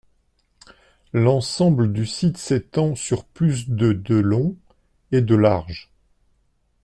L'ensemble du site s'étend sur plus de de long et de large.